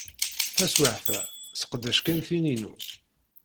Taswiɛt-a, sseqdec kan tin-inu.